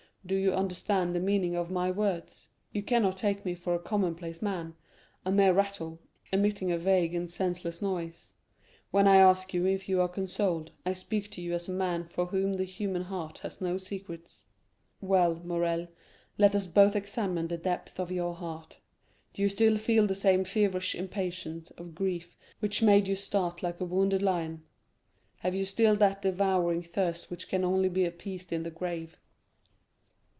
"Do you understand the meaning of my words? You cannot take me for a commonplace man, a mere rattle, emitting a vague and senseless noise. When I ask you if you are consoled, I speak to you as a man for whom the human heart has no secrets. Well, Morrel, let us both examine the depths of your heart. Do you still feel the same feverish impatience of grief which made you start like a wounded lion? Have you still that devouring thirst which can only be appeased in the grave?